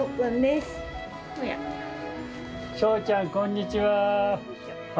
翔ちゃん、こんにちは。